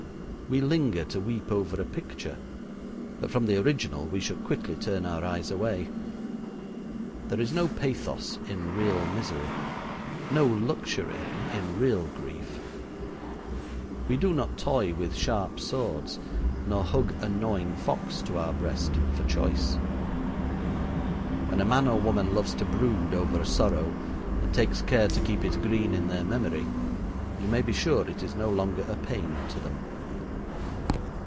We linger to weep over a picture, but from the original we should quickly turn our eyes away. There is no pathos in real misery: no luxury in real grief. We do not toy with sharp swords nor hug a gnawing fox to our breast for choice. When a man or woman loves to brood over a sorrow and takes care to keep it green in their memory, you may be sure it is no longer a pain to them.